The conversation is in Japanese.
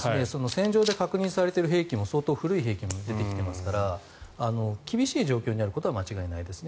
戦場で確認されている兵器も相当古い兵器も出てきていますから厳しい状況にあることは間違いないです。